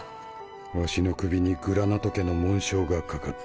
儂の首にグラナト家の紋章がかかっている。